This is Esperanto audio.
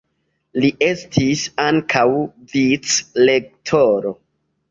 Li estis ankaŭ vicrektoro.